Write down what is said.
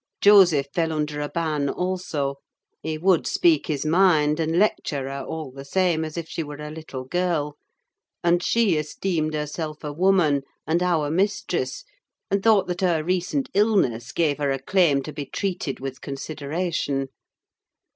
Joseph fell under a ban also: he would speak his mind, and lecture her all the same as if she were a little girl; and she esteemed herself a woman, and our mistress, and thought that her recent illness gave her a claim to be treated with consideration.